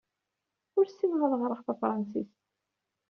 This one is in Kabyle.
Ur ssineɣ ad ɣreɣ tafṛensist.